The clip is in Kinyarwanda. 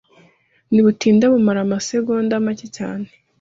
ntibutinda bumara amasegonda make cyane.